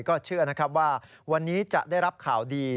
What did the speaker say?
ก็เชื่อนะครับว่าวันนี้จะได้รับข่าวดี